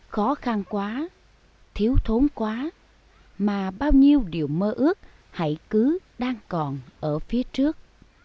khó khăn quá thiếu thốn quá mà bao nhiêu điều mơ ước hãy cứ đang còn ở phía trước